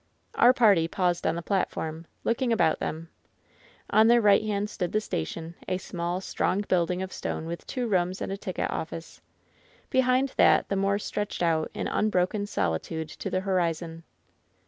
Our party paused on th^ platform, looking about them. On their right hand stood the station, a small, strong building of stone with two rooms and a ticket ojBBce. LOVERS BITTEREST CUP 196 Behind that the moor stretched out in tinbroken soli tude to the horizon.